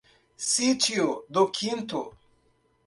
Sítio do Quinto